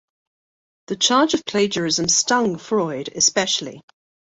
The charge of plagiarism stung Freud especially.